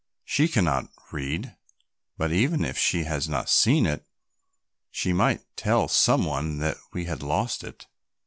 She cannot read, but even if she has not seen it, she might tell some one that we had lost it.